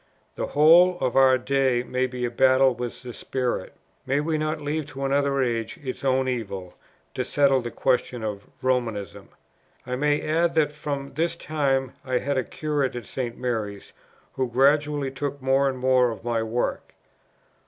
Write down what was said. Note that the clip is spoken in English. The whole of our day may be a battle with this spirit. May we not leave to another age its own evil, to settle the question of Romanism?" I may add that from this time I had a curate at St. Mary's, who gradually took more and more of my work.